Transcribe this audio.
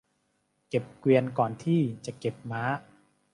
เก็บเกวียนก่อนที่จะเก็บม้า